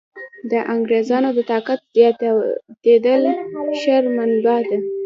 د انګرېزانو د طاقت زیاتېدل شر منبع ده.